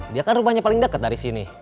dia kan rumahnya paling dekat dari sini